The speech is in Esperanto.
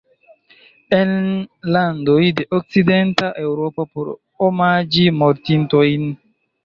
En landoj de Okcidenta Eŭropo por omaĝi mortintojn.